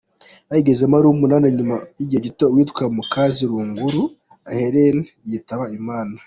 Bayigezemo ari umunani nyuma y’igihe gito uwitwa Mukaziruguru Helene yitaba Imana.